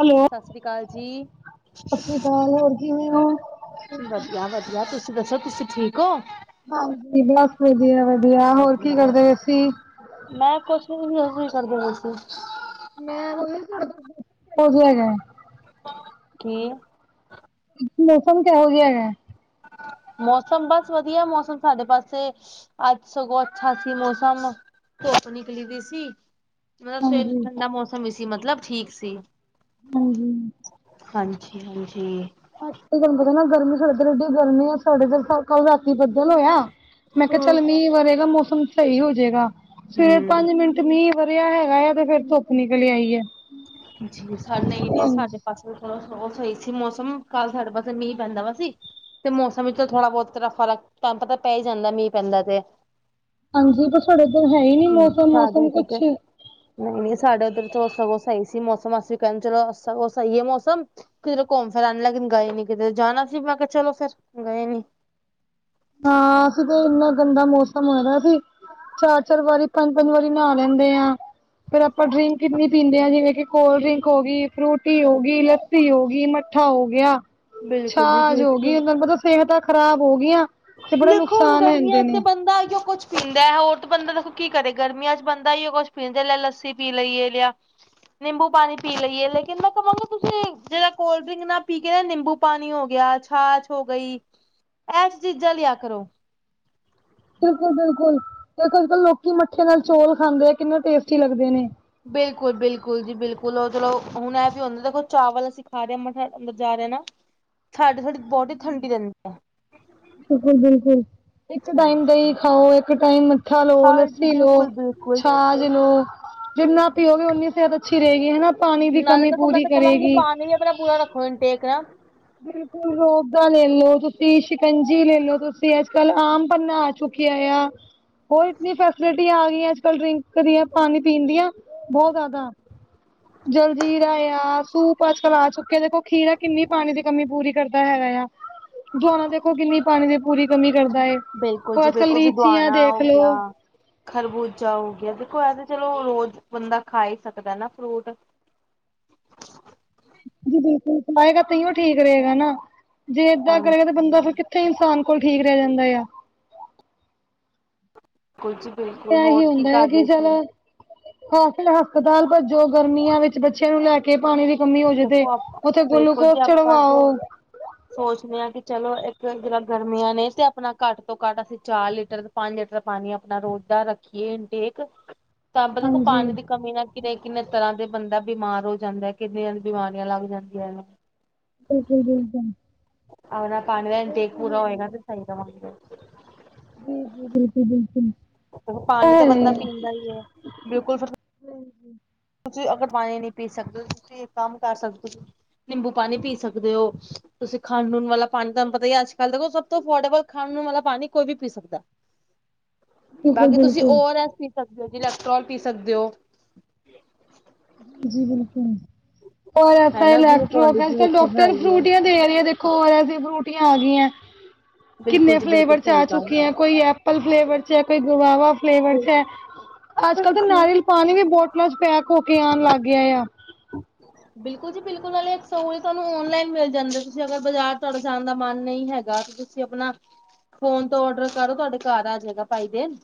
Hello. ਸਾਸਰੀ ਕਾਲ ਜੀ। ਸਤਿ ਸ੍ਰੀ ਅਕਾਲ ਹੋਰ ਕਿਵੇਂ ਹੋ? ਵਧੀਆ ਵਧੀਆ ਤੁਸੀ ਦੱਸੋ, ਤੁਸੀਂ ਠੀਕ ਓ? ਹਾਂਜੀ ਬਸ ਵਧੀਆ, ਵਧੀਆ ਹੋਰ ਕੀ ਵਧੀਆ ਕਰਦੇ ਪੈ ਸੀ? ਮੈਂ ਕੁਛ ਵੀ ਨੀ ਓਹੋ ਈ ਕਰਦੇ ਵੀ ਸੀ। ਮੈਂ [unintelligible] ਜੂ ਹੈਗਾ ਕੀ? ਮੌਸਮ ਕੇਹੋ ਜਿਆ ਹੇਗਾ? ਮੌਸਮ, ਬਸ ਵਧੀਆ ਮੌਸਮ ਸਾਡੇ ਪਾਸੇ। ਅੱਜ ਸਗੋਂ ਅੱਛਾ ਸੀ ਮੌਸਮ ਧੁੱਪ ਨਿਕਲੀ ਦੀ ਸੀ। ਮਲਬ ਸਵੇਰ ਤੋਂ ਹਾਂਜੀ। ਠੰਡਾ ਮੌਸਮ ਈ ਸੀ। ਮਤਲਬ ਠੀਕ ਸੀ। ਹੁੰ ਹੁੰ ਹਾਂਜੀ, ਹਾਂਜੀ ਅੱਜ ਕਲ ਤਾਨੂੰ ਪਤਾ ਨਾ ਗਰਮੀ ਸਾਡੇ ਏਧਰ ਏਡੀ ਗਰਮੀ ਆ ਸਾਡੇ ਏਧਰ ਕਲ ਰਾਤੀ ਬੱਦਲ ਹੋਇਆ। ਮੈਂ ਕਿਆ ਚੱਲ ਹੂੰ ਮੀਅ ਵਰੇਗਾ ਮੌਸਮ ਸ‌ਈ ਹੋ ਜੇਗਾ। ਸਵੇਰੇ ਪੰਜ ਮਿੰਟ ਤੇ ਮੀਂਅ ਵਰਿਆ ਹੈਗਾ ਏ ਤੇ ਫੇਰ ਧੁੱਪ ਨਿਕਲ ਆਈ ਐ। ਜੀ ਸਾਡ ਨਈ -ਨ‌ਈ ਸਾਡੇ ਬਸ ਚਲੋ ਓ ਸ‌ਈ ਸੀ ਮੌਸਮ ਕੱਲ੍ਹ ਸਾਡੇ ਪਾਸੇ ਮੀਂਅ ਪੈਂਦਾ ਵਾ ਸੀ। ਤੇ ਮੌਸਮ ਵਿੱਚ ਤੇ ਥੋੜ੍ਹਾ ਬੋਤ ਤਰਾਂ ਫਰਕ ਤਾਂਨੂੰ ਪਤਾ ਪੈ ਈ ਜਾਂਦਾ ਮੀਂਹ ਪੈਂਦਾ ਤੇ। ਹਾਂਜੀ ਪਰ ਸਾਡੇ ਏਧਰ ਹੈ ਈ ਨੀ ਮੌਸਮ। ਮੌਸਮ ਕੁਛ। ਨਈ, ਨ‌ਈ ਸਾਡੇ ਓਧਰ ਚਲੋ ਸਗੋਂ ਸ‌ਈ ਸੀ ਮੌਸਮ ਅਸੀਂ ਵੀ ਕੇਂਦੇ ਚਲੋ ਸਗੋਂ ਸ‌ਈ ਏ ਮੌਸਮ। ਕਿਧਰੇ ਘੁੰਮ ਫਿਰ ਆਨ ਲੇਕਿਨ ਗਏ ਨੀ ਕਿੱਧਰੇ ਜਾਣਾ ਸੀ ਮੈਂ ਕਿਆ ਚਲੋ ਫੇਰ ਗਏ ਨੀ। ਹਾਂ ਅਸੀਂ ਤੇ ਏਨਾ ਗੰਦਾ ਮੌਸਮ ਹੋ ਗਿਆ ਸੀ। ਚਾਰ ਚਾਰ ਵਾਰੀ ਪੰਜ ਪੰਜ ਵਾਰੀ ਨਾਅ ਲੈਂਦੇ ਆਂ। ਫੇਰ ਆਪਾਂ ਡਰਿੰਕ ਕਿੰਨੀ ਪੀਂਦੇ ਆਂ ਜਿਵੇਂ ਕਿ- ਕੋਲਡ ਡਰਿੰਕ ਹੋ ਗਈ, ਫਰੂਟੀ ਹੋ ਗਈ, ਲੱਸੀ ਹੋ ਗਈ, ਮੱਠਾ ਹੋ ਗਿਆ। ਬਿਲਕੁਲ ਜੀ ਛਾਜ ਹੋ ਬਿਲਕੁਲ। ਗਈ। ਮੈਂਨੂੰ ਪਤਾ ਸੇਤਾਂ ਖ਼ਰਾਬ ਹੋ ਗਈਆਂ। ਤੇ ਬੜੇ ਦੇਖੋ ਹੁਣ ਨੁਕਸਾਨ ਹੁੰਦੇ ਗਰਮੀਆਂ 'ਚ ਨੇ ਤੇ ਬੰਦਾ ਐਈ ਓ ਕੁਛ- ਪੀਂਦਾ ਹੋਰ ਤਾਂ ਬੰਦਾ ਦੇਖੋ ਕੀ ਕਰੇ ਗਰਮੀਆਂ 'ਚ ਬੰਦਾ ਐਈ ਓ ਕੁਛ ਪੀਂਦੇ ਲਿਆ ਲੱਸੀ ਪੀ ਲਈਏ ਲਿਆ। ਨਿੰਬੂ ਪਾਣੀ ਪੀ ਲਈਏ ਲੇਕਿਨ ਮੈਂ ਕਵਾਂਗਾ ਤੁਸੀਂ ਜੇੜਾ ਕੋਲਡ ਡਰਿੰਕ ਨਾ ਪੀ ਕੇ ਨਾ ਨਿੰਬੂ ਪਾਣੀ ਹੋ ਗਿਆ ਅੱਜ- ਛਾਸ਼ ਹੋ ਗਈ। ਐ ਚੀਜ਼ਾਂ ਲਿਆ ਕਰੋ। ਬਿਲਕੁਲ -ਬਿਲਕੁਲ ਤੇ ਅੱਜ ਕੱਲ੍ਹ ਲੋਕੀ ਮੱਠੇ ਨਾਲ ਚੌਲ ਖਾਂਦੇ, ਕਿੰਨੇ ਟੇਸਟੀ ਲੱਗਦੇ ਨੇ। ਬਿਲਕੁਲ -ਬਿਲਕੁਲ ਜੀ ਬਿਲਕੁਲ ਮਤਲਬ ਹੁਣ ਏ ਵੀ ਹੁੰਦਾ ਦੇਖੋ ਚਾਵਲ ਅਸੀਂ ਖਾ ਰਹੇ ਆਂ ਮੈਂ ਕਿਹਾ ਅੰਦਰ ਜਾ ਰਿਆ ਨਾ ਸਾਡੀੇ ਥੋਡੀ ਬੋਡੀ ਠੰਡੀ ਰਹਿੰਦੀ ਐ। ਬਿਲਕੁਲ- ਬਿਲਕੁਲ ਇੱਕ ਟਾਈਮ ਦਹੀਂ ਹਾਂਜੀ। ਖਾਓ, ਇੱਕ ਟਾਈਮ ਮਿੱਠਾ ਲਓ, ਹਾਂਜੀ ਲੱਸੀ ਲੋ, ਬਿਲਕੁਲ-ਬਿਲਕੁਲ ਛਾਛ- ਦੋ ਲੋ। ਜਿੰਨਾ ਪੀਓਗੇ ਓਨੀ ਸਿਹਤ ਅੱਛੀ ਰ‌ਏਗੀ ਹਨਾ। ਪਾਣੀ ਦੀ ਨਾਲੇ ਕਮੀ ਦੇਖੋ ਮੈਂ ਪੂਰੀ ਤਾਂ ਕਵਾਂਗੀ ਕਰੇਗੀ ਪਾਣੀ ਵੀ ਆਪਣਾ ਪੂਰਾ ਰੱਖੋ ਇਨ ਟੇਕ ਨਾ। ਬਿਲਕੁਲ ਰੂਬਹਜਾ ਲੈਲੋ ਤੁਸੀਂ ਸ਼ਿਕੰਜੀ ਲੈ ਲੋ ਤੁਸੀਂ ਅੱਜ ਕੱਲ ਆਮ ਪੰੰਨਾ ਚੁੱਕਿਆ ਆ ਹੋਰ ਇਤਨੀ ਫੈਸਿਲਿਟੀ ਆ ਗਈਆਂ, ਅੱਜ ਕੱਲ੍ਹ ਡਰਿੰਕ ਦੀਆਂ ਪਾਣੀ ਪੀਣ ਦੀਆਂ ਬਹੁਤ ਜ਼ਿਆਦਾ। ਜਲਜੀਰਾ ਆ ਸੂਪ ਅੱਜਕਲ ਆ ਚੁੱਕੇ ਦੇਖੋ ਖੀਰਾ ਕਿੰਨੀ ਪਾਣੀ ਦੀ ਕਮੀ ਪੂਰੀ ਕਰਦਾ ਹੈਗਾ ਆ ਏ। ਦੁਆਨਾ ਦੇਖੋ ਕਿੰਨੀ ਪਾਣੀ ਦੀ ਪੂਰੀ ਕਮੀ ਕਰਦਾ ਏ, ਬਿਲਕੁਲ ਉਹ ਜੀ ਅੱਜ ਕੱਲ ਬਿਲਕੁਲ ਲੀਚੀਆਂ ਸਿਦਵਾਣਾ ਦੇਖ ਹੋ ਗਿਆ। ਲੋੋ ਖਰਬੂਜਾ ਹੋ ਗਿਆ ਦੇਖੋ ਇਹ ਤਾਂ ਚਲੋ ਰੋਜ਼ ਬੰਦਾ ਖਾ ਹੀ ਸਕਦਾ ਨਾ ਫਰੂਟ ਜੀ ਬਿਲਕੁਲ ਖਾਏਗਾ ਤਾਂ ਉਹ ਠੀਕ ਰਹੇਗਾ ਨਾ ਜੇ ਏਦਾਂ ਹਾਂਜੀ। ਕਰੇਗਾ ਤੇ ਬੰਦਾ ਫਿਰ ਕਿਥੇ ਕਿਥੇ ਇਨਸਾਨ ਕੋਲ ਠੀਕ ਰਹਿ ਜਾਂਦਾ ਆ ਏ। ਬਿਲਕੁਲ ਜੀ ਬਿਲਕੁਲ ਹੋਰ ਇਹੀ ਹੁੰਦਾ ਆ ਕਰ ਕੀ ਰਹੇ ਸੀ ਚੱਲੋ ਆਖਿਰ ਹਸਪਤਾਲ ਭੱਜੋ ਗਰਮੀਆਂ ਵਿੱਚ ਬੱਚਿਆਂ ਨੂੰ ਲੈ ਕੇ ਕੇ ਪਾਣੀ ਦੀ ਕਮੀ ਹੋ ਜਾਏ ਤੇ ਦੇਖੋ ਆਪਾਂ ਉੱਥੇ ਬਿਲਕੁਲ ਜੀ ਗਲੂਕੋਸ ਆਪਾਂ ਚੜਵਾਓ ਤੇ ਸੋਚਦੇ ਹਾਂ ਕਿ ਚਲੋ ਇੱਕ ਜਿਹੜਾ ਗਰਮੀਆਂ ਨੇ ਤੇ ਆਪਣਾ ਘੱਟ ਤੋਂ ਘੱਟ ਅਸੀਂ ਚਾਰ ਲੀਟਰ ਪੰਜ ਲੀਟਰ ਪਾਣੀ ਆਪਣਾ ਰੋਜ਼ ਦਾ ਰੱਖੀਏ ਇ ਟੇਕ [inaudible] ਤਾਂ ਆਪਾਂ ਦੇਖੋ ਹਾਂਜੀ ਪਾਣੀ ਦੀ ਕਮੀ ਨਾਲ ਕਿੰਨੇ, ਕਿੰਨੇ ਤਰ੍ਹਾਂ ਦੇ ਬੰਦਾ ਬਿਮਾਰ ਹੋ ਜਾਂਦਾ ਕਿੰਨੀਆਂ ਦੀ ਬਿਮਾਰੀਆਂ ਲੱਗ ਜਾਂਦੀਆਂ ਨੇ। ਬਿਲਕੁਲ, ਬਿਲਕੁਲ। ਆਪਣਾ ਪਾਣੀ ਦਾ ਉਹ ਟੇਕ ਤਾਂ ਪੂਰਾ ਹੋਏਗਾ ਤੇ ਹੈ ਸਹੀ ਰਹਾਂਗੇ। ਜੀ, ਜੀ ਬਿਲਕੁਲ, ਬਿਲਕੁਲ। ਦੇਖੋ ਪਾਣੀ ਤਾਂ ਬੰਦਾ ਪੀਂਦਾ ਹੀ ਐ ਬਿਲਕੁਲ ਫਿਰ ਹਮ ਹਮ ਤੁਸੀਂ ਅਗਰ ਪਾਣੀ ਨੀ ਪੀ ਸਕਦੇ ਤੁਸੀਂ ਇੱਕ ਕੰਮ ਕਰ ਸਕਦੇ ਹੋ ਨਿੰਬੂ ਪਾਣੀ ਪੀ ਸਕਦੇ ਹੋ। ਤੁਸੀਂ ਖਾਣੂਣਵਾਲਾ ਪਾਣੀ ਤੁਹਾਨੂੰ ਪਤਾ ਹੀ ਹੈ ਅੱਜ ਕੱਲ ਦੇਖੋ ਸਭ ਤੋਂ ਅਫੋਰਡੇਬਲ ਖਾਣੂਣ ਵਾਲਾ ਪਾਣੀ ਕੋਈ ਵੀ ਪੀ ਸਕਦਾ। [inaudible] ਬਿਲਕੁਲ ਬਾਕੀ ਤੁਸੀਂ ਔ ਬਿਲਕੁਲ ਆਰ ਐਸ ਪੀ ਸਕਦੇ ਹੋ, ਇਲੈਕਟ੍ਰੋਲ ਪੀ ਸਕਦੇ ਹੋ। ਜੀ-ਜੀ ਬਿਲਕੁਲ ਔ ਹਨਾ ਗਲੂਕੋਨ ਡੀ ੲਸਇਲੈਕੋਟਰੋਲ ਅਜ ਤੇ ਕੱਲ ਦੇਖੋ ਹੈ ਡਾਕਟਰ ਹੀ ਹੈ ਫਰੂਟੀਆਂ ਦੇ ਰਹੇ ਦੇਖੋ ਔ ਐਸ ਦੀਆਂ ਫਰੂਟੀਆਂ ਆ ਗਈਆਂ। ਬਿਲਕੁਲ ਕਿੰਨੇ ਜੀ ਬਿਲਕੁਲ ਫਲੇਵਰ 'ਚ ਸਹੀ ਆ ਗੱਲ ਚੁੱਕੇ ਆ ਹੈ। ਕੋਈ ਐਪਲ ਫਲੇਵਰ 'ਚ ਹੈ ਕੋਈ ਗਵਾਵਾ ਫਲੇਵਰ 'ਚ ਹੈ। ਅੱਜ ਕੱਲ ਤਾਂ ਨਾਰੀਅਲ ਪਾਣੀ ਵੀ ਬੋਟਲਾਂ 'ਚ ਪੈਕ ਹੋ ਕੇ ਆਉਣ ਲੱਗ ਗਿਆ ਆ। ਬਿਲਕੁਲ ਜੀ ਬਿਲਕੁਲ ਨਾਲੇ ਸੋ ਤੁਹਾਨੂੰ ਔਨਲਾਈਨ ਮਿਲ ਜਾਂਦੇ ਤੁਸੀਂ ਅਗਰ ਬਾਜ਼ਾਰ ਤੁਹਾਡੇ ਜਾਣ ਦਾ ਮਨ ਨਹੀਂ ਹੈਗਾ। ਤੁਸੀਂ ਆਪਣਾ ਫੋਨ ਤੋਂ ਔਡਰ ਕਰੋ ਤੁਹਾਡੇ ਘਰ ਆ ਜਾਏਗਾ [unintelligible] ਦੇਣ।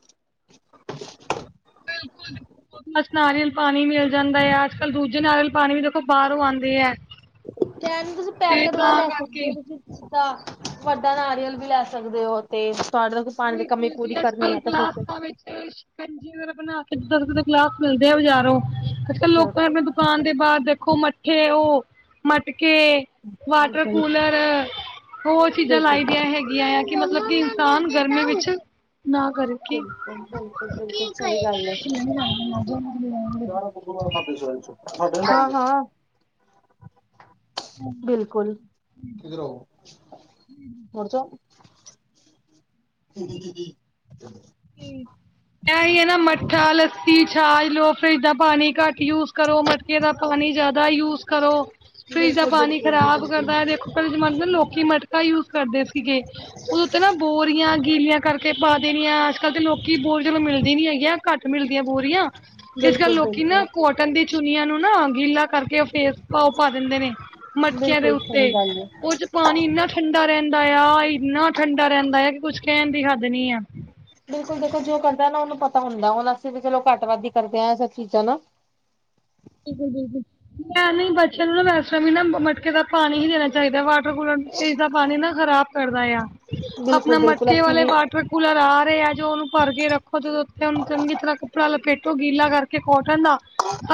ਬਿਲਕੁਲ। ਬਸ ਨਾਰੀਅਲ ਪਾਣੀ ਮਿਲ ਜਾਂਦਾ ਹੈ। ਅੱਜ ਕੱਲ ਦੂਜੇ ਨਾਰੀਅਲ ਪਾਣੀ ਵੀ ਦੇਖੋ ਬਾਹਰੋਂ ਆਉਂਦੇ ਹੈ। ਕੈਣ ਤੁਸੀਂ ਪੈਕ ਲੈ ਸਕਦੇ ਹੋ ਤੁਸੀਂ। ਅੱਛਾ ਵੱਡਾ ਨਾਰੀਅਲ ਵੀ ਲੈ ਸਕਦੇ ਹੋ। ਤੇ ਤੁਹਾਡੇ [unintelligible] ਦੀ ਕਮੀ ਪੂਰੀ ਕਰਨੀ ਹੈ ਤੇ ਮੂੰਹ ਤੇ ਸ਼ਿਕੰਜਵੀ ਬਣਾ ਕੇ ਇਧਰ ਉਧਰ ਗਲਾਸ ਮਿਲਦੇ ਆ ਬਜ਼ਾਰੋਂ ਅੱਜ ਕੱਲ ਲੋਕਾਂ ਐਵੇਂ ਖਾਣ ਦੇ ਬਾਅਦ ਦੇਖੋ ਮੱਠੇ ਉਹ ਮਟਕੇ ਵਾਟਰ ਬਿਲਕੁਲ ਕੂਲਰ ਹੋਰ ਚੀਜ਼ਾਂ ਬਿਲਕੁਲ ਲਾਈ ਦੀਆਂ ਹੈਗੀਆਂ ਆ ਕਿ ਮਤਲਬ ਕਿ ਇਨਸਾਨ ਗਰਮੀਆਂ ਵਿੱਚ ਨਾ ਕਰੇ। ਕੀ ਬਿਲਕੁਲ ਬਿਲਕੁਲ ਬਿਲਕੁਲ ਸਹੀ ਗੱਲ ਹੈ। [unintelligible] [unintelligible] ਹਾਂ, ਹਾਂ ਬਿਲਕੁਲ ਇਧਰ ਆਓ ਉੱਠ ਜਾਓ। [unintelligible] ਸੀ। ਐ ਹੀ ਹੈ ਨਾ ਮੱਠਾ ਲੱਸੀ ਛਾਜ ਲਓ ਫਰਿਜ ਦਾ ਪਾਣੀ ਘੱਟ ਯੂਜ ਕਰੋ। ਮਟਕੇ ਦਾ ਪਾਣੀ ਜ਼ਿਆਦਾ ਯੂਜ ਕਰੋ ਫਰਿਜ ਦਾ ਪਾਣੀ ਬਿਲਕੁਲ ਜੀ ਬਿਲਕੁਲ ਖ਼ਰਾਬ ਕਰਦਾ ਹੈ ਦੇਖੋ। ਪਹਿਲੇ ਜਮਾਨੇ ਨਾ ਲੋਕੀ ਮਟਕਾ ਯੂਜ ਕਰਦੇ ਸੀਗੇ ਉਹਦੇ ਉੱਤੇ ਨਾ ਬੋਰੀਆਂ- ਗੀਲੀਆਂ ਕਰਕੇ ਪਾ ਦੇਣੀਆਂ ਅੱਜ ਕੱਲ ਤੇ ਲੋਕੀ ਬਹੁਤ ਜਲਦੀ ਮਿਲਦੀ ਨੀ ਹੈਗੀਆਂ ਘੱਟ ਮਿਲਦੀਆਂ ਬੋਰੀਆਂ। ਅੱਜ ਕੱਲ ਬਿਲਕੁਲ ਬਿਲਕੁਲ ਲੋਕੀ ਨਾ ਕੋਟਨ ਦੀ ਚੁਨੀਆਂ ਨੂੰ ਨਾ ਗੀਲਾ ਕਰਕੇ ਫੇਸ ਪਾਓ-ਪਾ ਦਿੰਦੇ ਨੇ। ਮਟਕੇ ਦੇ ਬਿਲਕੁਲ ਸਹੀ ਉੱਤੇ ਗੱਲ ਹੈ ਕੁਝ ਪਾਣੀ ਇੰਨਾ ਠੰਡਾ ਰਹਿੰਦਾ ਆ-ਇੰਨਾ ਠੰਡਾ ਰਹਿੰਦਾ ਆ, ਕਿ ਕੁਛ ਕਹਿਣ ਦੀ ਹੱਦ ਨਹੀਂ ਆ। ਬਿਲਕੁਲ ਬਿਲਕੁਲ ਜੋ ਕਰਦਾ ਨਾ, ਉਹਨੂੰ ਪਤਾ ਹੁੰਦਾ ਹੁਣ ਅਸੀਂ ਵੀ ਚਲੋ ਘੱਟ ਵੱਧ ਕਰਦੇ ਹਾਂ। ਇਹ ਸਭ ਚੀਜ਼ਾਂ ਨਾ। ਬਿਲਕੁਲ ਬਿਲਕੁਲ ਮੈਂ ਨਹੀਂ ਬੱਚਿਆਂ ਨੂੰ ਨਾ ਵੈਸੇ ਵੀ ਨਾ ਮਟਕੇ ਦਾ ਪਾਣੀ ਨਹੀਂ ਦੇਣਾ ਚਾਹੀਦਾ ਵਾ। ਵਾਟਰ ਕੂਲਰ ਇਸ ਦਾ ਪਾਣੀ ਨਾ ਖਰਾਬ ਕਰਦਾ ਆ। ਆਪਣਾ ਬਿਲਕੁਲ ਬਿਲਕੁਲ ਮਟਕੇ ਅਸੀਂ ਵਾਲੇ ਵੀ ਵਾਟਰ ਕੂਲਰ ਆ ਰਹੇ ਆ ਜੋ ਉਹਨੂੰ ਭਰ ਕੇ ਰੱਖੋ। ਜਦੋਂ ਉੱਥੇ ਚੰਗੀ ਤਰ੍ਹਾਂ ਕੱਪੜਾ ਲਪੇਟੋ ਗੀਲਾ ਕਰਕੇ ਕੋਟਨ ਦਾ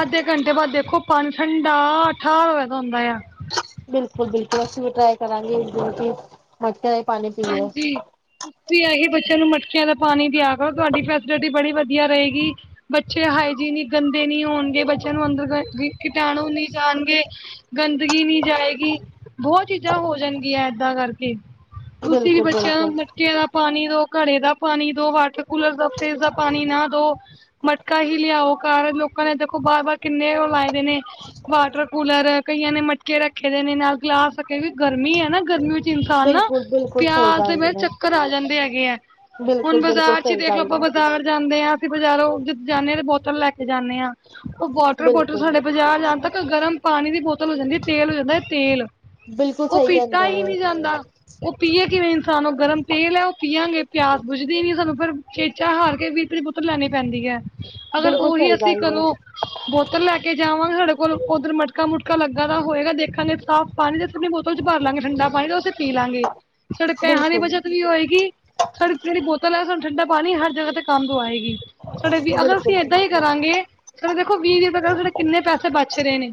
ਅੱਧੇ ਘੰਟੇ ਬਾਅਦ ਦੇਖੋ, ਪਾਣੀ ਠੰਡਾ ਠਾਹ ਵਰਗਾ ਹੁੰਦਾ ਆ। ਬਿਲਕੁਲ-ਬਿਲਕੁਲ ਅਸੀਂ ਵੀ ਟਰਾਈ ਕਰਾਂਗੇ ਮਟਕੇ ਦਾ ਹੀ ਪਾਣੀ ਪੀ ਲਿਆ। ਹਾਂਜੀ। ਤੁਸੀਂ ਆ ਹੀ ਬੱਚਿਆਂ ਨੂੰ ਮਟਕੀਆਂ ਦਾ ਪਾਣੀ ਦਿਆ ਕਰੋ। ਤੁਹਾਡੀ ਫੈਸਲਿਟੀ ਬੜੀ ਵਧੀਆ ਰਹੇਗੀ। ਬੱਚੇ ਹਾਈਜੀਨਿਕ ਗੰਦੇ ਨਹੀ ਹੋਣਗੇ। ਬੱਚਿਆਂ ਨੂੰ ਅੰਦਰ ਕੀਟਾਣੂ ਨਹੀਂ ਜਾਣਗੇ। ਗੰਦਗੀ ਨਹੀਂ ਜਾਏਗੀ। ਬਹੁਤ ਚੀਜ਼ਾਂ ਹੋ ਜਾਣਗੀਆਂ ਇਦਾਂ ਕਰਕੇ। ਤੁਸੀਂ ਵੀ ਬਿਲਕੁਲ ਬੱਚਿਆਂ ਨੂੰ ਬਿਲਕੁਲ ਮਟਕੇ ਦਾ ਪਾਣੀ ਦੋ, ਘੜੇ ਦਾ ਪਾਣੀ ਦੋ, ਵਾਟਰ ਕੂਲਰ ਦਾ, ਫਰਿਜ਼ ਦਾ ਪਾਣੀ ਨਾ ਦੋ। ਮਟਕਾ ਹੀ ਲਿਆਓ ਘਰ। ਲੋਕਾਂ ਨੇ ਦੇਖੋ ਬਾਰ-ਬਾਰ ਕਿੰਨੇ ਉਹ ਲਾਏ ਦੇ ਨੇ। ਵਾਟਰ ਕੂਲਰ, ਕਈਆਂ ਨੇ ਮਟਕੇ ਰੱਖੇ ਦੇ ਨੇ ਨਾਲ ਗਲਾਸ ਕਿ ਗਰਮੀ ਹੈ। ਨਾ ਗਰਮੀ ਵਿੱਚ ਇਨਸਾਨ ਨਾ ਬਿਲਕੁਲ ਬਿਲਕੁਲ ਸਹੀ ਪਿਆਸ ਦੇ ਗੱਲ ਵਿੱਚ ਹੈ ਚੱਕਰ ਆ ਜਾਂਦੇ ਹੈਗੇ ਹੈ। ਹੁਣ ਬਿਲਕੁਲ ਬਿਲਕੁਲ ਬਾਜ਼ਾਰ ਚ ਸਹੀ ਦੇਖਲੋ ਗੱਲ ਆਪਾਂ ਹੈ ਬਾਜ਼ਾਰ ਜਾਂਦੇ ਹਾਂ। ਬਾਜ਼ਾਰੋਂ ਜਾਂਦੇ ਹਾਂ ਤੇ ਬੋਤਲ ਲੈ ਕੇ ਜਾਂਦੇ ਹਾਂ। ਉਹ ਵਾਟਰ ਬੋਤਲ ਬਿਲਕੁਲ ਸਾਡੇ ਬਾਜ਼ਾਰ ਜਾਣ ਤੱਕ ਗਰਮ ਪਾਣੀ ਦੀ ਬੋਤਲ ਹੋ ਜਾਂਦੀ ਹੈ। ਤੇਲ ਹੋ ਜਾਂਦਾ ਹੈ ਤੇਲ ਬਿਲਕੁਲ ਉਹ ਸਹੀ ਪੀਤਾ ਕਹਿੰਦੇ ਹੀ ਹੋ ਨਹੀ ਤੁਸੀਂ ਜਾਂਦਾ। ਉਹ ਪੀਏ ਕਿਵੇਂ ਇਨਸਾਨ, ਉਹ ਗਰਮ ਤੇਲ ਹੈ। ਉਹ ਪੀਆਗੇ ਪਿਆਸ ਬੁਝਦੀ ਹੀ ਨੀ ਸਾਨੂੰ ਫਿਰ ਚੇਚਾ ਹਾਰ ਕੇ ਵੀਹ ਰੁਪਏ ਦੀ ਬੋਤਲ ਲੈਣੀ ਪੈਂਦੀ ਹੈ। ਅਗਰ ਬਿਲਕੁਲ ਉਹੀ ਸਹੀ ਅਸੀਂ ਗੱਲ ਏ, ਘਰੋਂ। ਬੋਤਲ ਲੈ ਕੇ ਜਾਵਾਂਗੇ। ਸਾਡੇ ਕੋਲ ਉੱਧਰ ਮਟਕਾ-ਮੁਟਕਾ ਲੱਗਾ ਦਾ ਹੋਏਗਾ ਦੇਖਣਗੇ। ਸਾਫ਼ ਪਾਣੀ ਠੰਡੀ ਬੋਤਲ ਚ ਭਰ ਲਾਂਗੇ ਪਾਣੀ ਤੇ ਅਸੀਂ ਪੀ ਲਾਂਗੇ। ਸਾਡੇ ਪੈਹਾਂ ਦੀ ਬਿਲਕੁਲ, ਬੱਚਤ ਵੀ ਹੋਏਗੀ। ਸਾਡੀ ਜਿਹੜੀ ਬੋਤਲ ਹੈ, ਸਾਨੂੰ ਠੰਡਾ ਪਾਣੀ, ਹਰ ਜਗ੍ਹਾ ਤੇ ਕੰਮ ਤੋਂ ਆਏਗੀ। ਸਾਡੇ ਵੀ ਅਗਰ ਅਸੀਂ ਬਿਲਕੁਲ, ਏਦਾਂ ਹੀ ਬਿਲਕੁਲ। ਕਰਾਂਗੇ, ਸਾਡੇ ਦੇਖੋ ਵੀਹ- ਵੀਹ ਰੁਪਏ ਕਰ ਸਾਡੇ ਕਿੰਨੇ ਪੈਸੇ ਬਚ ਰਹੇ ਨੇ।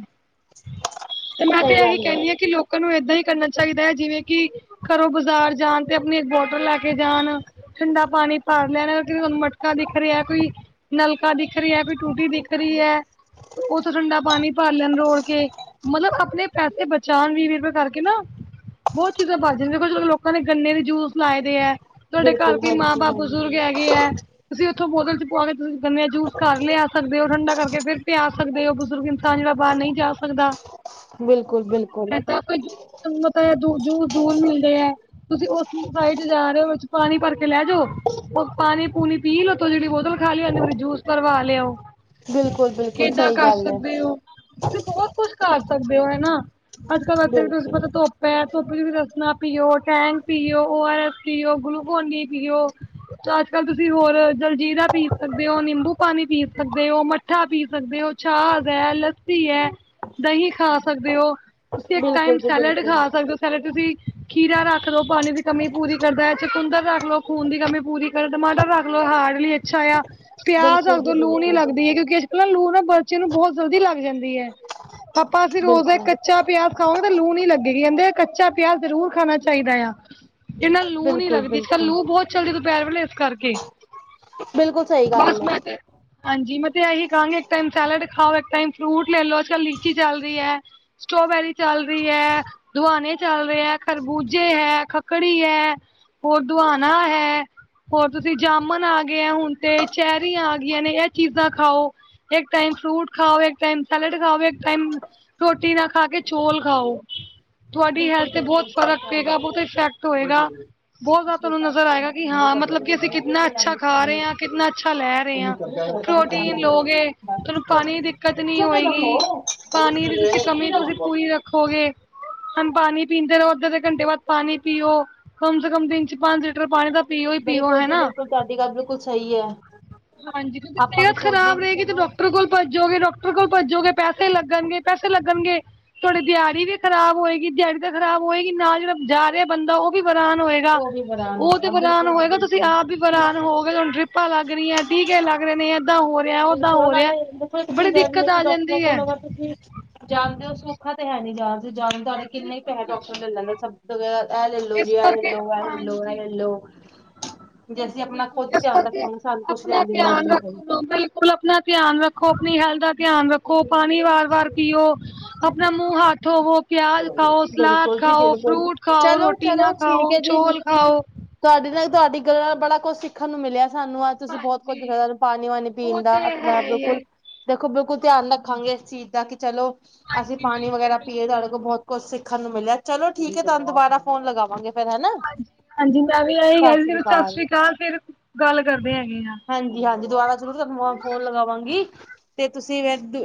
ਤੇ ਮੈਂ ਤੇ ਸਹੀ ਇਹੀ ਗੱਲ ਏ, ਕਹਿਦੀ ਹਾਂ, ਕਿ ਲੋਕਾਂ ਨੂੰ ਏਦਾਂ ਹੀ ਕਰਨਾ ਚਾਹੀਦਾ ਹੈ। ਜਿਵੇਂ ਕਿ ਘਰੋਂ ਬਾਜ਼ਾਰ ਜਾਣ ਤੇ ਆਪਣੀ ਇੱਕ ਬੋਟਲ ਲੈ ਕੇ ਜਾਣ। ਠੰਡਾ ਪਾਣੀ ਪਰ ਲੈਣ ਨੇ, ਤੁਨੂੰ ਮਟਕਾ ਦਿਖ ਰਿਹਾ ਕੋਈ। ਨਲਕਾ ਦਿਖ ਰਿਹਾ ਹੈ, ਕੋਈ ਟੂਟੀ ਦਿਖ ਰਹੀ ਹੈ, ਉਥੋਂ ਠੰਡਾ ਪਾਣੀ ਭਰ ਲੈਣ ਰੋੜ ਕੇ। ਮਤਲਬ ਆਪਣੇ ਪੈਸੇ ਬਚਾਉਣ ਵੀ ਵੀਹ ਵੀਹ ਕਰਕੇ ਨਾ, ਬਹੁਤ ਚੀਜ਼ ਦੇਖੋ, ਲੋਕਾਂ ਨੇ ਗੰਨੇ ਦੇ ਜੂਸ ਲਾਏ ਦੇ ਹੈ। ਤੁਹਾਡੇ ਘਰ ਬਿਲਕੁਲ ਕੋਈ, ਮਾਂ ਹਾਂਜੀ, ਬਾਪ ਬਜ਼ੁਰਗ ਹਾਂਜੀ। ਹੈਗੇ ਹੈ। ਤੁਸੀਂ ਉੱਥੋਂ ਬੋਤਲ 'ਚ ਪਾ ਕੇ ਤੁਸੀਂ ਗੰਨੇ ਦਾ ਜੂਸ ਘਰ ਲਿਆ ਸਕਦੇ ਹੋ, ਠੰਡਾ ਕਰਕੇ ਫਿਰ ਪਿਆ ਸਕਦੇ ਹੋ। ਬਜ਼ੁਰਗ ਤਾਂ ਜਿਹੜਾ ਬਾਹਰ ਨਹੀਂ ਜਾ ਸਕਦਾ। ਬਿਲਕੁਲ, ਬਿਲਕੁਲ। ਏਦਾਂ ਕੋਈ ਜੂੂੰ ਤੇਨੂੰ ਪਤਾ, ਏ ਜੂੰ ਦੂੂਰ ਮਿਲਦੇ ਹੈ। ਤੁਸੀਂ ਉਸ ਸਾਈਡ ਜਾ ਰਹੇ ਹੋ, ਪਾਣੀ ਭਰ ਕੇ ਲੈ ਜੋ ਉਹ ਪਾਣੀ ਪੂਣੀ ਪੀ ਲੋ, ਤੇ ਜਿਹੜੀ ਬੋਤਲ ਖਾਲੀ ਹੁਦੀ ਉਹਦੇ ਵਿੱਚ ਜੂਸ ਭਰਵਾ ਲਿਆਓ। ਬਿਲਕੁਲ, ਬਿਲਕੁਲ ਇਦਾਂ ਸਹੀ ਕਰ ਗੱਲ ਏ। ਸਕਦੇ ਹੋ। ਤੁਸੀਂ ਬਹੁਤ ਕੁੱਝ ਕਰ ਸਕਦੇ ਹੋ ਹਨਾ, ਅੱਜ -ਕੱਲ ਇਥੇ ਵੀ ਤੁਸੀ ਬਿਲਕੁਲ, ਪਤਾ ਧੁੱਪ ਹੈ ਧੁੱਪ 'ਚ ਵੀ ਦੱਸ ਰਸਣਾ ਪੀਓ, ਟੈਂਗ ਪੀਓ, ਓ ਆਰ ਐਸ ਪੀਓ, ਗਲੂਕੋਨ ਡੀ ਪੀਓ। ਅੱਜ- ਕੱਲ ਤੁਸੀਂ ਹੋਰ ਜਲਜੀਰਾ ਪੀ ਸਕਦੇ ਹੋ, ਨਿੰਬੂ ਪਾਣੀ ਪੀ ਸਕਦੇ ਹੋ ਮ ਮੱਠਾ ਪੀ ਸਕਦੇ ਹੋ, ਛਾਜ ਹੈ, ਲੱਸੀ ਹੈ, ਦਹੀਂ ਖਾ ਸਕਦੇ ਹੋ। ਤੁਸੀਂ ਇੱਕ ਟਾਈਮ ਬਿਲਕੁਲ ਜੀ ਸੈਲਡ ਖਾ ਬਿਲਕੁਲ, ਸਕਦੇ ਹੋ, ਸੈਲਡ ਤੁਸੀਂ ਖੀਰਾ ਰੱਖ ਲ ਲੋਓ, ਪਾਣੀ ਦੀ ਕਮੀ ਪੂਰੀ ਕਰਦਾ ਹੈ, ਚਕੁੰਦਰ ਰੱਖ ਲੋ, ਖੂਨ ਦੀ ਕਮੀ ਪੂਰੀ ਕਰ, ਟਮਾਟਰ ਰੱਖ ਮਤਲਬ ਹਾਰਡ ਲਈ ਅੱਛਾ ਆ। ਪਿਆਜ ਰਾਖ ਬਿਲਕੁਲ ਦੋ, ਜੀ ਲੂ ਨੀ ਬਿਲਕੁਲ, ਲੱਗਦੀ ਹੈ, ਕਿਉਂਕਿ ਅੱਜ -ਕੱਲ ਲੂ ਨਾ ਬਚੀਆ ਨੂੰ ਬਹੁਤ ਜਲਦੀ ਲੱਗ ਜਾਂਦੀ ਹੈ। ਆਪਾਂ ਅਸੀਂ ਰੋਜ਼ ਦਾ ਇੱਕ ਬਿਲਕੁਲ। ਕੱਚਾ ਪਿਆਜ ਖਾਵਾਂਗੇ, ਤੇ ਲੂ ਨੀ ਲਗੇਗੀ, ਕਹਿੰਦੇ ਕੱਚਾ ਪਿਆਜ ਜ਼ਰੂਰ ਖਾਣਾ ਚਾਈਦਾ ਯਾ, ਏਨਾ ਲੂ ਨੀ ਬਿਲਕੁਲ, ਲਗਦੀ, ਇੱਕ ਤਾਂ ਬਿਲਕੁਲ, ਲੂ ਬਹੁਤ ਚੱਲਦੀ ਦੁਪਹਿਰ ਵੇਲੇ ਇਸ ਕਰਕੇ, ਬਿਲਕੁਲ ਸਹੀ ਬਸ ਗੱਲ ਏ, ਮੈਂ ਤੇ ਹਾਂਜੀ ਮੈਂ ਤੇ ਏਹੀ ਕਹਾਂਗੀ ਏਕ ਟਾਈਮ ਸੈਲਡ ਖਾਓ, ਏਕ ਟਾਈਮ ਫਰੂਟ ਲੈ ਲਓ, ਅੱਜ ਕੱਲ ਲੀਚੀ ਚਲ ਰੀ ਐ। ਸਟ੍ਰੋਬੈਰੀ ਚੱਲ ਰੀ ਐ, ਦੁਆਣੇ ਚੱਲ ਰੇ ਐ। ਖਰਬੂਜੇ ਹੈ, ਖਕੜੀ ਹੈ, ਹੋਰ ਦੁਆਣਾ ਹੈ। ਹੋਰ ਤੁਸੀਂ ਜਾਮਨ ਆ ਗਏ ਐ ਹੁਣ ਤੇ, ਚੈਰਿਆਂ ਆ ਗਈਆਂ ਨੇ, ਇਹ ਚੀਜਾਂ ਖਾਓ। ਏਕ ਟਾਈਮ ਫਰੂਟ ਖਾਓ, ਏਕ ਟਾਈਮ ਸੈਲਡ ਖਾਓ, ਏਕ ਟਾਈਮ ਰੋਟੀ ਨਾ ਖਾ ਕੇ ਚੋਂਲ ਖਾਓ, ਤੁਹਾਡੀ ਬਿਲਕੁਲ, ਹੈਲਥ ਤੇ ਬਹੁਤ ਬਿਲਕੁਲ ਸਹੀ ਫਰਕ ਗੱਲ ਪੇਗਾ ਏ। ਬਹੁਤ ਤੇ ਇਫੈਕਟ ਹੋਏਗਾ, ਬਹੁਤ ਜਿਆਦਾ ਤੁਹਾਨੂੰ ਨਜ਼ਰ ਆਏਗਾ ਕਿ ਹਾਂ ਮਤਲਬ ਕਿ ਅਸੀਂ ਕਿਤਨਾ ਅੱਛਾ ਖਾ ਰਹੇ ਹਾਂ, ਕਿੰਨਾ ਅੱਛਾ ਲੈ ਰਹੇ ਹਾਂ, ਪ੍ਰੋਟੀਨ ਲੋਗੇ ਤੁਹਾਨੂੰ ਪਾਣੀ ਦਿੱਕਤ ਨੀ ਹੋਏਗੀ, ਪਾਣੀ ਦੀ ਤੁਸੀ ਕਮੀ ਤੁਸੀ ਪੂਰੀ ਰ ਖੋਗੇ, ਹੁਣ ਪਾਣੀ ਪੀਂਦੇ ਰੋ। ਅੱਧੇ-ਅਧੇ ਘੰਟੇ ਬਾਅਦ ਪਾਣੀ ਪੀਓ, ਕਮ ਸੇ ਕਮ ਦਿਨ 'ਚ ਪੰਜ ਲੀਟਰ ਪਾਣੀ ਦਾ ਬਿਲਕੁਲ ਜੀ ਬਿਲਕੁਲ, ਤੁਆਡੀ ਗੱਲ ਬਿਲਕੁਲ ਸਈ ਐ। ਹਾਂਜੀ ਤੇ ਸਿਹਤ ਖਰਾਬ ਰਹੇਗੀ ਤੇ ਡਾਕਟਰ ਕੋਲ ਭੱਜੋਗੇ, ਡੌਕ ਟਰ ਕੋਲ ਭੱਜੋਗੇ, ਪੈਸੇ ਲੱਗਣਗੇ-ਪੈਸੇ ਲੱਗਣਗੇ ਤੁਹਾਡੀੇ ਦਿਹਾੜੀ ਵੀ ਖਰਾਬ ਹੋਏਗੀ, ਦਿਹਾੜੀ ਤੇ ਖਰਾਬ ਹੋਏਗੀ, ਨਾਲ ਜਿਹੜਾ ਜਾ ਰਿਹਾ ਬੰਦਾ ਉਹ ਵੀ ਵਰਾਨ ਹੋਏ ਉਹ ਵੀ ਬਰਾਨ ਉਹ ਤੇ ਬਰਾਨ ਹੋਏਗਾ ਤੁਸੀਂ ਆਪ ਵੀ ਬਰਾਨ ਹੋਗੇ, ਤੁਹਾਨੂੰ ਡਰਿਪਾਂ ਲੱਗ ਰਹੀਆਂ, ਟੀਕੇ ਲੱਗ ਰਹੇ ਨੇ ਏਦਾਂ ਹੋ ਰਿਹਾ ਓਦਾਂ ਬਿਲਕੁ ਹੋ ਰਿਹਾ ਨਾਲੇ ਦੇਖੋ ਇੱਕ ਬੜੀ ਚੀਜ਼ ਐ ਵੀ ਐ ਦਿੱਕਤ ਕਿ ਆ ਡਾਕਟਰਾਂ ਜਾਂਦੀ ਹੈ ਕੋਲ ਅਗਰ ਤੁਸੀ ਜਾਣਦੇ ਹੋ ਸੋਖਾ ਤੇ ਹੈ ਨ੍ਹੀਂ ਯਾਰ ਜੇ ਜਿਆਦਾ ਕਿੰਨੇ ਹੀ ਪੈਹੇ ਡਾਕਟਰ ਲਲ ਲੈਂਦਾ ਸਬ ਤੋਂ ਜ਼ਿਆ ਇਹ ਲੱਲੋ ਜੀ ਇਹ ਲਲੋ, ਇਹ ਲੱਲੋ, ਇਹ ਹਾਂਜੀ ਲੱਲੋ। ਜੇ ਅਸੀਂ ਆਪਣਾ ਖੁੱਦ ਧਿਆਨ ਰੱਖਾਂਗੇ ਸਾਨੂੰ ਕੁਛ ਲੈਣ ਦੀ ਲੋੜ ਨੀ ਪੈਈ [unintelligible] ਸਕੁਲ ਆਪਣਾ ਧਿਆਨ ਰੱਖੋ, ਆਪਣੀ ਹੈਲਥ ਦਾ ਧਿਆਨ ਰੱਖੋ, ਪਾਣੀ ਵਾਰ-ਵਾਰ ਪੀਓ। ਆਪਣਾ ਮੂੰਹ ਹੱਥ ਥੋਵੋ। ਪਿਆਜ਼ ਖਾਓ, ਸਲਾਦ ਬਿਲਕੁਲ ਜੀ ਖਾਓ, ਬਿਲਕੁਲ ਫਰੂਟ ਖਾਓ, ਚਲੋ ਰੋਟੀ ਨਾ ਚਲੋ ਠੀਕ ਖਾਓ, ਹੈ ਜੀ ਚੋਲ ਖਾਓ। ਤੁਹਾਡੇ ਨਾਲ ਤੁਹਾਡੀ ਗੱਲਾਂ ਨਾਲ ਬੜਾ ਕੁਛ ਸਿੱਖਣ ਨੂੰ ਮਿਲਿਆ ਸਾਨੂੰ ਅੱਜ ਤੁਸੀਂ ਬਹੁਤ ਕੁੱਝ ਦਸਿਆਂ ਪਾਣੀ -ਵਾਣੀ ਪੀਣ ਦਾ ਆਪਣਾ ਬਿਲਕੁਲ। ਦੇਖੋ ਬਿਲਕੁਲ ਧਿਆਨ ਰੱਖਾਂਗੇ ਇਸ ਚੀਜ਼ ਦਾ ਕਿ ਚਲੋ ਅਸੀਂ ਪਾਣੀ ਵਗੈਰਾ ਪੀਏ ਤੁਹਾ ਬਹੁਤ ਕੁੱਛ ਸਿੱਖਣ ਨੂੰ ਮਿਲਿਆ ਚਲੋ ਠੀਕ ਐ ਤੁਹਾਨੂੰ ਦੁਬਾਰਾ ਫੋਨ ਲਗਾਵਾਂਗੇ ਫਿਰ ਹੈਨਾਂ। ਹਾਂਜੀ, ਹਾਂਜੀ ਮੈਂ ਵੀ ਇਹੀ ਕਹਿ ਰੀ ਸੀ ਸਤਿ ਸ੍ਰੀ ਅਕਾਲ ਫਿਰ ਗੱਲ ਕਰਦੇ ਹੈਗੇ ਆਂ। ਹਾਂਜੀ, ਹਾਂਜੀ ਦੁਬਾਰਾ ਤੁਹਾਨੂੰ ਫੋਨ ਲਗਾਵਾਂਗੀ ਤੇ ਤੁਸੀਂ ਫਿਰ